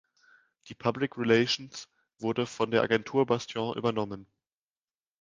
Die Public Relations wurden von der Agentur Bastion übernommen.